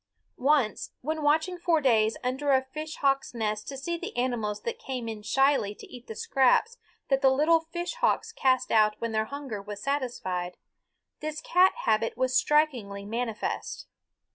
Once, when watching for days under a fish hawk's nest to see the animals that came in shyly to eat the scraps that the little fish hawks cast out when their hunger was satisfied, this cat habit was strikingly manifest.